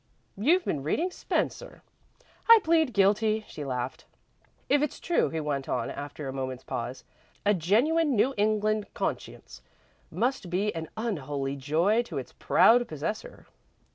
"You've been reading Spencer." "I plead guilty," she laughed. "If it's true," he went on, after a moment's pause, "a genuine New England conscience must be an unholy joy to its proud possessor."